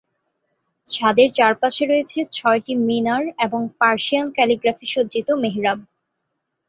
ছাদের চারপাশে রয়েছে ছয়টি মিনার এবং পার্সিয়ান ক্যালিগ্রাফি সজ্জিত মেহরাব।